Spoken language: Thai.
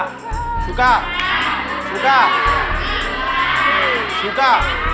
พี่สุรีนะจ๊ะ